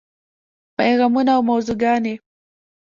پیغامونه او موضوعګانې: